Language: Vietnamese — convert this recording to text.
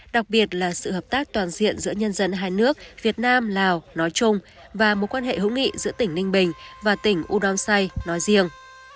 đặc biệt là sự hợp tác toàn diện giữa nhân dân hai nước việt nam lào nói chung và mối quan hệ hữu nghị giữa tỉnh ninh bình và tỉnh udon say nói riêng